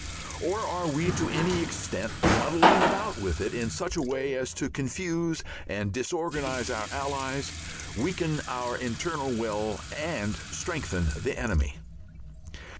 Or are we to any extent muddling about with it in such a way as to confuse and disorganize our Allies, weaken our internal will, and strengthen the enemy?